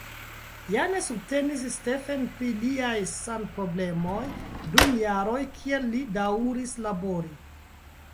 Jane subtenis Stephen pri liaj sanproblemoj dum jaroj kiel li daŭris labori.